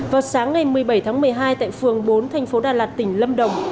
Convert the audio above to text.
vào sáng ngày một mươi bảy tháng một mươi hai tại phường bốn thành phố đà lạt tỉnh lâm đồng